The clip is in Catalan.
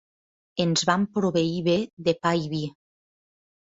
Ens vam proveir bé de pa i vi.